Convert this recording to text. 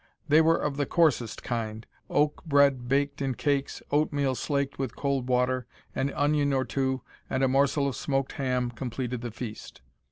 They were of the coarsest kind oat bread baked in cakes, oatmeal slaked with cold water, an onion or two, and a morsel of smoked ham completed the feast.